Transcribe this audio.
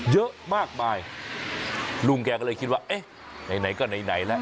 เยอะมากมายลุงแกก็เลยคิดว่าเอ๊ะไหนไหนก็ไหนแล้ว